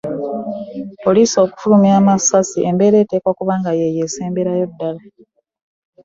Poliisi okufulumya amasasi embeera eteekwa kubeera eyo esemberayo ddala.